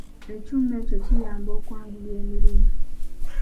Ekyuma ekyo kiyamba okwanguya emirimu.